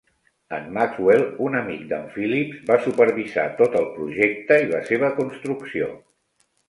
En Maxwell, un amic d'en Phillips, va supervisar tot el projecte i la seva construcció.